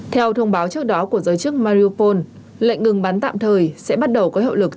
theo thông báo trước đó của giới chức mariopol lệnh ngừng bắn tạm thời sẽ bắt đầu có hiệu lực